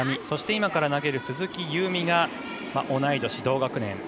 そして今から投げる鈴木夕湖が同い年、同学年。